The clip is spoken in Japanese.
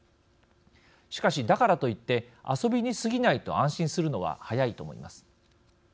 しかし、だからといって遊びにすぎないと安心するのは早いと思います。